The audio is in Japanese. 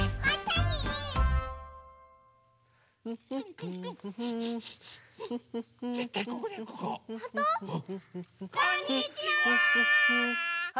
こんにちは！